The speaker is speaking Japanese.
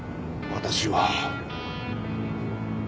私は。